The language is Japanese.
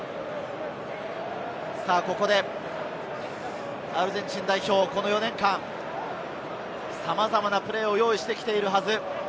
ここでアルゼンチン代表、４年間、さまざまなプレーを用意してきているはず。